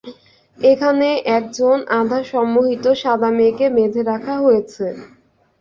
এখানে একজন আধা-সম্মোহিত সাদা মেয়েকে বেঁধে রাখা হয়েছে।